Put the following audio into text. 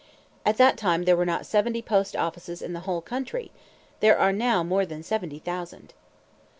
At that time there were not seventy post offices in the whole country. There are now more than seventy thousand.